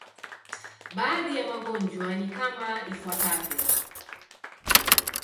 Baadhi ya magonjwa ni kama ifuatavyo.